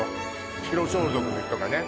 白装束の人がね